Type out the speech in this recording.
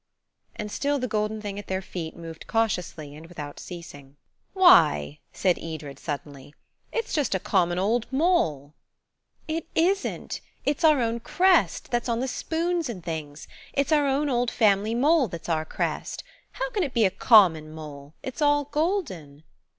And still the golden thing at their feet moved cautiously and without ceasing. "Why," said Edred suddenly, "it's just a common old mole." "It isn't; it's our own crest, that's on the spoons and things. It's our own old family mole that's our crest. How can it be a common mole? It's all golden."